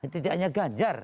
tidak hanya gajar